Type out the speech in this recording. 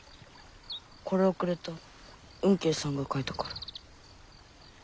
これをくれた吽慶さんが書いたから。